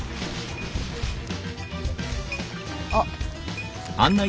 あっ。